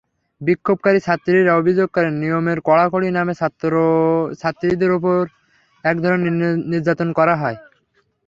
বিক্ষোভকারী ছাত্রীরা অভিযোগ করেন, নিয়মের কড়াকড়ি নামে ছাত্রীদের ওপর একধরনের নির্যাতন করা হয়।